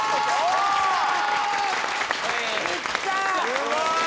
すごい！